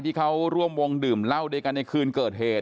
ที่เขาร่วมวงดื่มเหล้าด้วยกันในคืนเกิดเหตุ